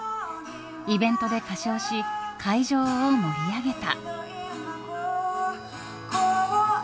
イベントで歌唱し会場を盛り上げた。